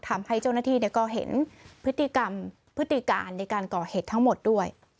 ทำให้เจ้าหน้าที่ก็เห็นพฤติกรรมพฤติการในการก่อเหตุทั้งหมดด้วย